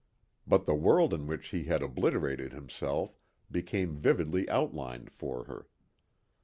But the world in which he had obliterated himself became vividly outlined for her.